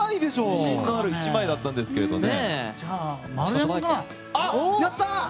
自信のある１枚だったんですけどね。